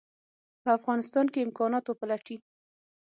په افغانستان کې امکانات وپلټي.